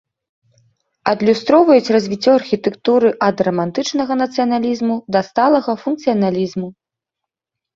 Адлюстроўваюць развіццё архітэктуры ад рамантычнага нацыяналізму да сталага функцыяналізму.